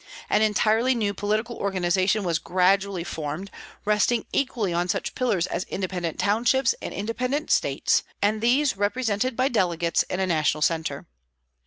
An entirely new political organization was gradually formed, resting equally on such pillars as independent townships and independent States, and these represented by delegates in a national centre.